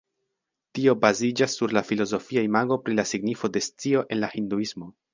Tio baziĝas sur la filozofia imago pri la signifo de scio en la Hinduismo.